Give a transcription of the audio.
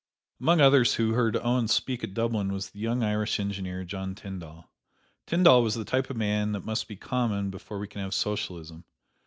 Among others who heard Owen speak at Dublin was the young Irish engineer, John Tyndall. Tyndall was the type of man that must be common before we can have Socialism.